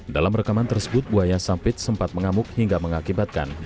dalam rekaman tersebut buaya sampit sempat mengamuk hingga mengakibatkan